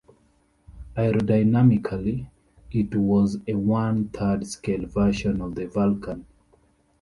Aerodynamically, it was a one third scale version of the Vulcan.